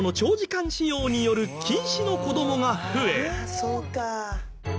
そうか。